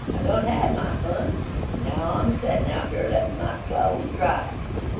I done had my fun, en now I'm a settin' out yer lettin' my cloze dry.